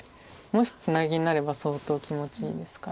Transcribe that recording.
もしツナギになれば相当気持ちいいですから。